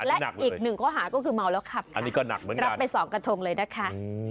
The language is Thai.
และอีกหนึ่งข้อหาก็คือเมาแล้วครับรับไปสองกระทงเลยนะคะ